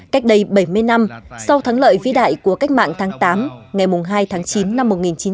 cách đây bảy mươi năm sau thắng lợi vĩ đại của cách mạng tháng tám ngày hai tháng chín năm một nghìn chín trăm bốn mươi năm